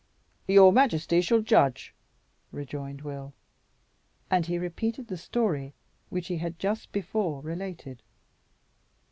"Your majesty shall judge," rejoined Will. And he repeated the story which he had just before related.